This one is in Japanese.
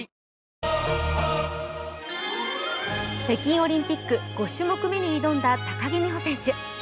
北京オリンピック５種目めに挑んだ高木美帆選手。